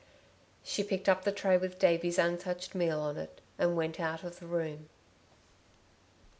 She picked up the tray with Davey's untouched meal on it, and went out of the room.